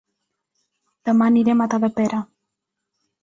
Dema aniré a Matadepera